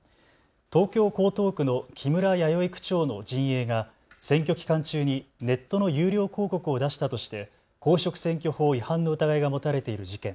東京江東区の木村弥生区長の陣営が選挙期間中にネットの有料広告を出したとして公職選挙法違反の疑いが持たれている事件。